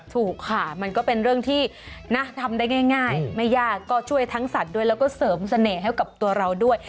ถูกค่ะมันก็เป็นเรื่องที่นะทำได้ง่ายไม่ยากก็ช่วยทั้งสัตว์ด้วยแล้วก็เสริมเสน่ห์ให้กับตัวเราด้วย